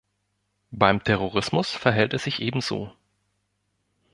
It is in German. Beim Terrorismus verhält es sich ebenso.